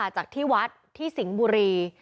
จากที่หวัดสิงบุรี